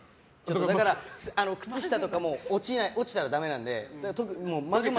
だから靴下とかも落ちたらだめなので。